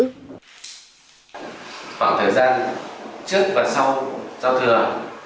khoảng thời gian trước và sau giao thừa